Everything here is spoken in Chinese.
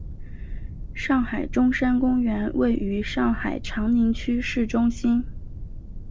上海中山公园位于上海长宁区市中心。